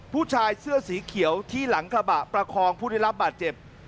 ผู้ชายเสื้อสีเขียวที่หลังกระบะประคองผู้ได้รับบาดเจ็บ